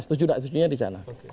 setuju tidak setujunya di sana